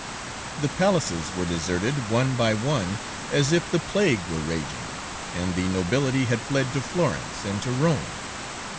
"The palaces were deserted, one by one, as if the plague were raging, and the nobility had fled to Florence and to Rome.